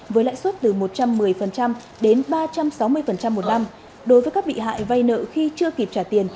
với lãi suất từ một trăm một mươi đến ba trăm sáu mươi một năm đối với các bị hại vay nợ khi chưa kịp trả tiền